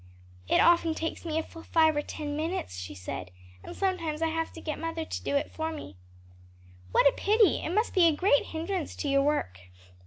"It often takes me full five or ten minutes," she said, "and sometimes I have to get mother to do it for me." "What a pity! it must be a great hindrance to your work."